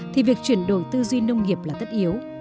thì việc chuyển đổi tư duy nông nghiệp là tất yếu